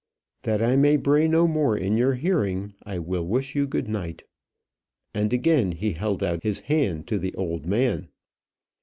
"That I may bray no more in your hearing, I will wish you good night." And again he held out his hand to the old man.